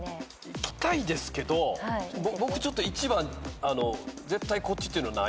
いきたいですけど僕１番絶対こっちっていうのないんで。